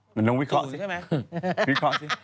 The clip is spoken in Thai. เหมือนน้องวิเคราะห์สิ